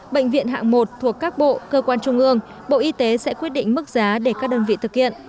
bệnh viện hạng một thuộc các bộ cơ quan trung ương bộ y tế sẽ quyết định mức giá để các đơn vị thực hiện